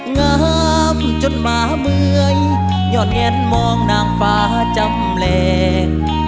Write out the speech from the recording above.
งามจนหมาเมืองยอดแงนมองนางฟ้าจำแรง